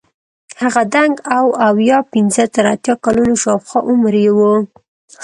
هغه دنګ او اویا پنځه تر اتیا کلونو شاوخوا عمر یې وو.